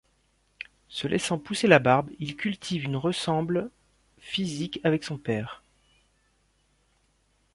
Se laissant pousser la barbe, il cultive une ressemble physique avec son père.